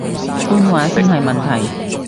官話先係問題